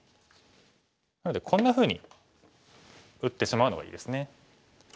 なのでこんなふうに打ってしまうのがいいですね。